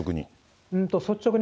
率直に。